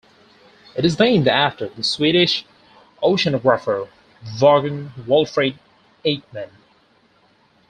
It is named after the Swedish oceanographer Vagn Walfrid Ekman.